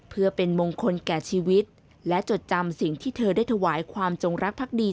เพื่อเป็นมงคลแก่ชีวิตและจดจำสิ่งที่เธอได้ถวายความจงรักภักดี